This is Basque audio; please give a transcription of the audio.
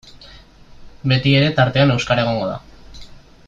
Betiere tartean euskara egongo da.